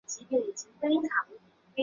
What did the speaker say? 改进版加大了翻领的尺寸与领口尺寸。